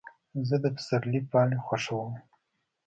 زه د پسرلي پاڼې خوښوم.